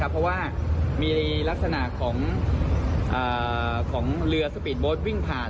เพราะว่ามีลักษณะของเรือสปีดโบสต์วิ่งผ่าน